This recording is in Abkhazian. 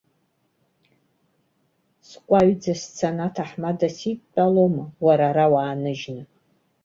Скәаҩӡа сцаны аҭамада сидтәалома, уара ара уааныжьны!